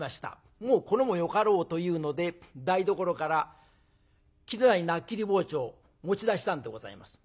もう頃もよかろうというので台所から切れない菜切り包丁を持ち出したんでございます。